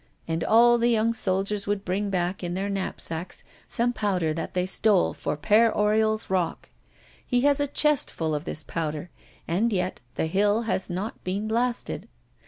And all the young soldiers would bring back in their knapsacks some powder that they stole for Père Oriol's rock. He has a chest full of this powder, and yet the hill has not been blasted.